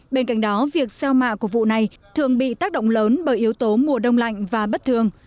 bên cạnh đó việc gieo mạ của vụ này thường bị tác động lớn bởi yếu tố mùa đông lạnh và bất thường